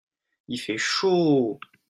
il fait chaud.